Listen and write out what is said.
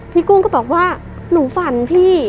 กุ้งก็บอกว่าหนูฝันพี่